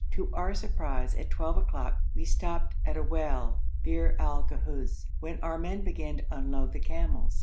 To our surprise at twelve o'clock we stopped at a well, Bir al Ghuz, when our men began to unload the camels.